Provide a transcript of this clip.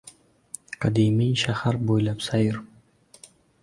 Qadimiy shahar bo‘ylab sayr